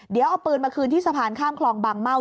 เดี๋ยวเอาปืนมาคืนที่สะพานข้ามคลองบางเม่า